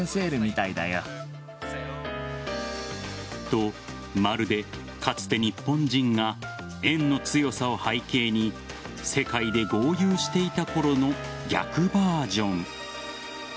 と、まるでかつて日本人が円の強さを背景に世界で豪遊していたころの逆バージョン。